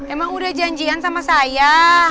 emang udah janjian sama saya